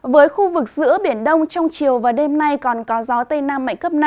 với khu vực giữa biển đông trong chiều và đêm nay còn có gió tây nam mạnh cấp năm